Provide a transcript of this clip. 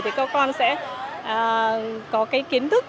thì các con sẽ có cái kiến thức